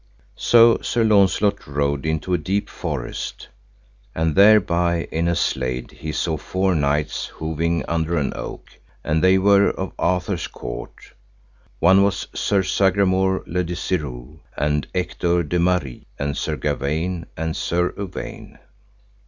So Sir Launcelot rode into a deep forest, and thereby in a slade, he saw four knights hoving under an oak, and they were of Arthur's court, one was Sir Sagramour le Desirous, and Ector de Maris, and Sir Gawaine, and Sir Uwaine.